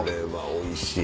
おいしい。